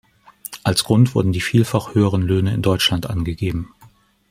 Als Grund wurden die vielfach höheren Löhne in Deutschland angegeben.